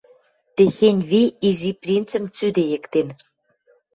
Техень ви Изи принцӹм цӱдейӹктен.